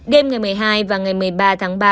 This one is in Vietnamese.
đêm ngày một mươi hai và ngày một mươi ba tháng ba